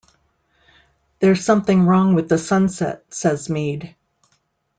"There's something wrong with the sunset," says Meade.